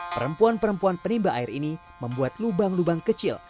perempuan perempuan penimba air ini membuat lubang lubang kecil